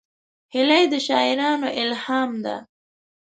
هیلۍ د شاعرانو الهام ده